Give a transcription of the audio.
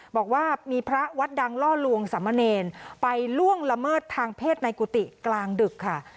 บอกว่ามีพระวัดดังล่อลวงสามเณรไปล่วงละเมิดทางเพศในกุฏิกลางดึกค่ะ